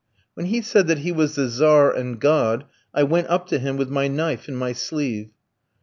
"When he said that he was the Tzar and God, I went up to him with my knife in my sleeve.